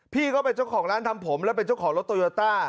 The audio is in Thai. พี่ก็เป็นเจ้าของร้านทำผมและเป็นเจ้าของรถโตโยต้า